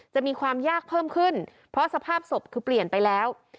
จะมีความยากเพิ่มขึ้นเพราะสภาพศพคือเปลี่ยนไปแล้ว